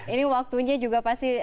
ini waktunya juga pasti